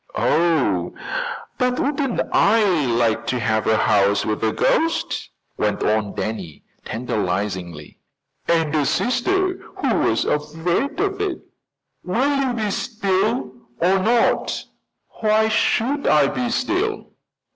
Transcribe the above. "Oh, but wouldn't I like to have a house with a ghost," went on Danny tantalizingly. "And a sister who was afraid of it!" "Will you be still, or not?" "Why should I be still?